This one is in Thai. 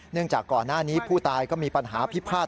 จากก่อนหน้านี้ผู้ตายก็มีปัญหาพิพาท